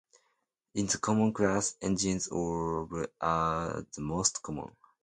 In the common class, engines of are the most common.